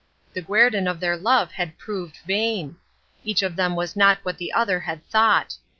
The guerdon of their love had proved vain. Each of them was not what the other had thought.